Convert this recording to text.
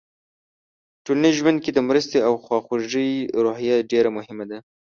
ټولنیز ژوند کې د مرستې او خواخوږۍ روحیه ډېره مهمه ده.